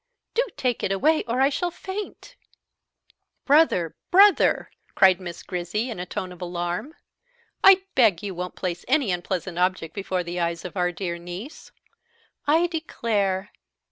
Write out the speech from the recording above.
"Do take it away, or I shall faint!" "Brother, brother!" cried Miss Grizzy in a tone of alarm, "I beg you won't place any unpleasant object before the eyes of our dear niece. I declare!